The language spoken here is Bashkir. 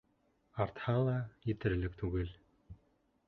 Артһа ла, етерлек түгел